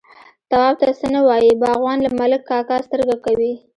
_تواب ته څه نه وايي، باغوان، له ملک کاکا سترګه کوي.